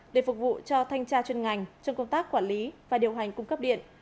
để phục vụ cho thanh tra chuyên ngành trong công tác quản lý và điều hành cung cấp điện